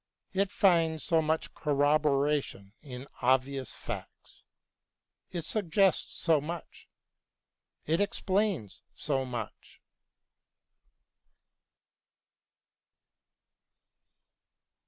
It finds so much corroboration in obvious facts: it suggests so much: it explains so much.